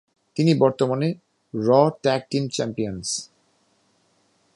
তিনি বর্তমানে Raw tag team champions.